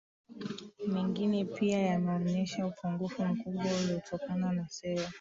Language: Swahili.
mengine pia yameonyesha upungufu mkubwa uliotokana na sera